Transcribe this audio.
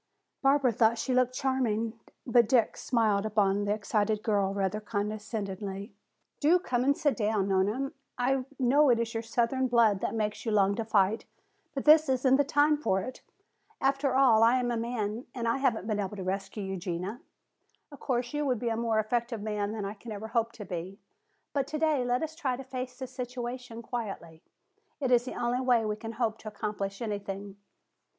Barbara thought she looked charming. But Dick smiled upon the excited girl rather condescendingly. "Do come and sit down, please, Nona. I know it is your southern blood that makes you long to fight. But this isn't the time for it. After all, I am a man and I haven't been able to rescue Eugenia. Of course, you would be a more effective man than I can ever hope to be. But today let us try to face the situation quietly. It is the only way we can hope to accomplish anything."